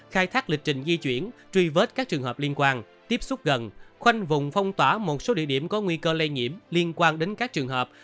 khai thác lịch trình di chuyển truy vết các trường hợp liên quan tiếp xúc gần khoanh vùng phong tỏa một số địa điểm có nguy cơ lây nhiễm liên quan đến các trường hợp